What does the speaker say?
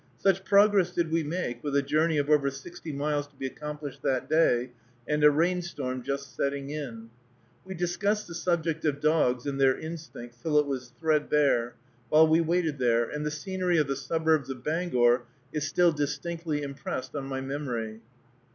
Such progress did we make, with a journey of over sixty miles to be accomplished that day, and a rain storm just setting in. We discussed the subject of dogs and their instincts till it was threadbare, while we waited there, and the scenery of the suburbs of Bangor is still distinctly impressed on my memory.